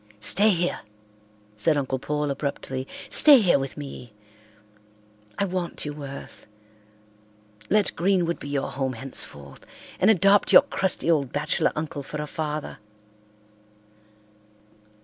"Stay here!" said Uncle Paul abruptly. "Stay here with me. I want you, Worth. Let Greenwood be your home henceforth and adopt your crusty old bachelor uncle for a father."